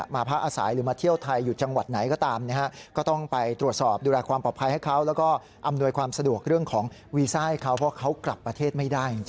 มาพระอาศัยหรือมาเที่ยวไทยอยู่จังหวัดไหนก็ตาม